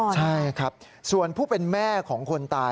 ใช่ครับส่วนผู้เป็นแม่ของคนตาย